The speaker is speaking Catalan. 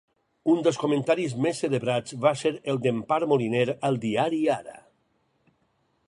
Un dels comentaris més celebrats va ser el d'Empar Moliner al diari Ara.